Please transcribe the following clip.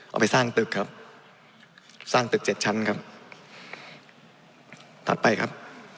เอาไปสร้างตึกครับสร้างตึกเจ็ดชั้นครับถัดไปครับ